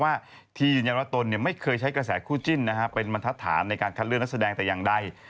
ทียืนยันว่าตนไม่เคยใช้กระแสคู่จิ้นเป็นบรรทัศนในการคัดเลือกนักแสดงแต่อย่างใด